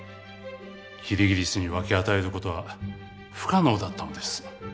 キリギリスに分け与える事は不可能だったのです。